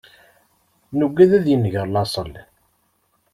Nugad ad yenger laṣel.